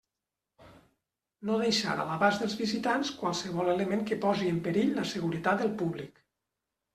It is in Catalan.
No deixar a l'abast dels visitants qualsevol element que posi en perill la seguretat del públic.